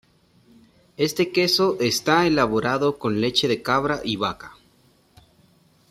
Este queso está elaborado con leche de cabra y vaca.